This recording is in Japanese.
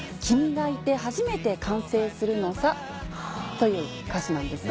という歌詞なんですね。